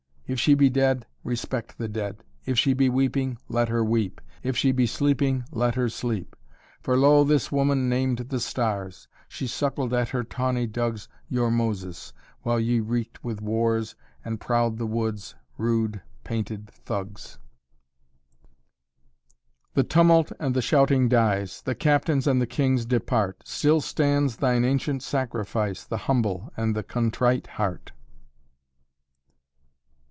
If she be dead, respect the dead; If she be weeping, let her weep; If she be sleeping, let her sleep; For lo, this woman named the stars. She suckled at her tawny dugs Your Moses, while ye reeked with wars And prowled the woods, rude, painted thugs." "The tumult and the shouting dies; The captains and the kings depart; Still stands thine ancient sacrifice, The humble and the contrite heart."